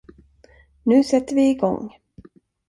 Nu sätter vi igång.